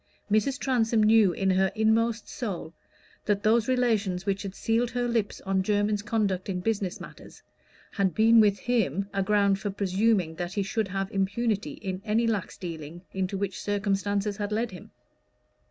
Mrs. Transome knew in her inmost soul that those relations which had sealed her lips on Jermyn's conduct in business matters, had been with him a ground for presuming that he should have impunity in any lax dealing into which circumstances had led him.